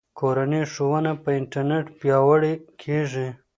کورنۍ ښوونه په انټرنیټ پیاوړې کیږي.